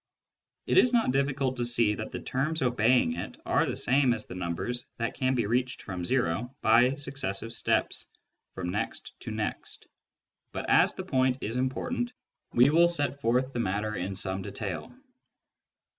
It is not difficult to see that the terms obeying it are the same as the numbers that can be reached from o by successive steps from next to next, but as the point is important we will set forth the matter in some detail.